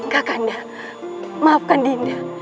kak kanda maafkan dinda